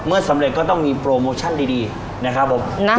สำเร็จก็ต้องมีโปรโมชั่นดีนะครับผม